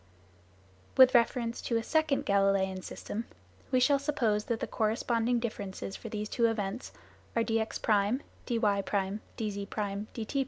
With reference to a second Galileian system we shall suppose that the corresponding differences for these two events are dx1, dy1, dz1, dt1.